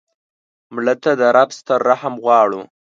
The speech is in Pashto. مړه ته د رب ستر رحم غواړو